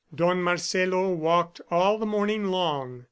Don Marcelo walked all the morning long.